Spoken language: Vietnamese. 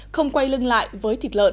không quay lưng lại với thịt lợn